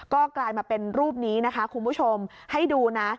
ก็กลายมาเป็นรูปนี้นะคะคุณผู้ชมให้ดูนะ